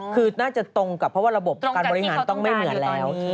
คือน่าจะตรงกับเพราะว่าระบบการบริหารต้องไม่เหมือนแล้ว